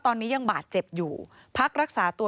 ตอนนี้ยังบาดเจ็บอยู่พักรักษาตัว